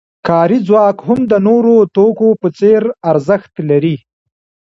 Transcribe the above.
کاري ځواک هم د نورو توکو په څېر ارزښت لري